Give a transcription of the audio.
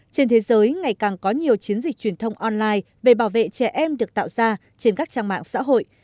trên thế giới ngày càng có nhiều chiến dịch truyền thông online về bảo vệ trẻ em được tạo ra trên các trang mạng xã hội